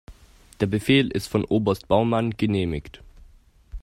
Der Befehl ist von Oberst Baumann genehmigt.